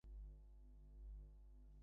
Dagger four, রওনা দিয়েছে।